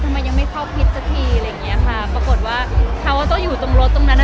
ทำไมยังไม่เข้าพิษสักทีอะไรอย่างเงี้ยค่ะปรากฏว่าเขาก็อยู่ตรงรถตรงนั้นอ่ะ